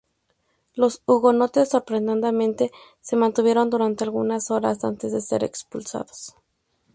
Los hugonotes sorprendentemente se mantuvieron durante algunas horas antes de ser expulsados.